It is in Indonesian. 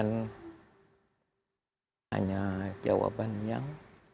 tanya jawaban yang